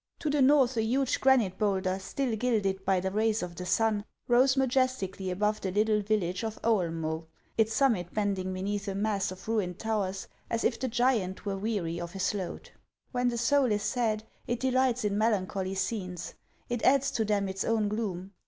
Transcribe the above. To the north a huge granite bowlder, still gilded by the rays of the sun, rose majestically above the little village of Oelmce, its summit bending beneath a mass of ruined towers, as if the giant were weary of his load. When the soul is sad, it delights in melancholy scenes ; it adds to them its own gloom.